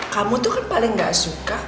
kamu tuh kan paling gak suka